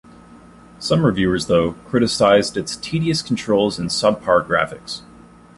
Some reviewers, though, criticized its tedious controls and sub-par graphics.